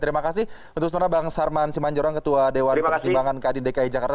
terima kasih untuk sementara bang sarman simanjorang ketua dewan pertimbangan kadin dki jakarta